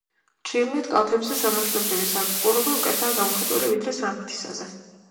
ჩრდილოეთ კალთებზე სიმაღლებრივი სარტყლურობა უკეთაა გამოხატული, ვიდრე სამხრეთისაზე.